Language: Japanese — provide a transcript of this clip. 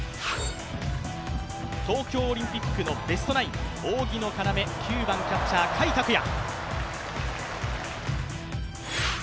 東京オリンピックのベストナイン、扇の要、９番キャッチャー・甲斐拓也